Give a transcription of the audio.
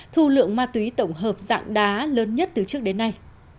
thu lượng ma túy tổng hợp dạng đá lớn nhất từ trước đến nay